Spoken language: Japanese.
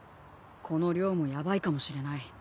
この寮もヤバいかもしれない。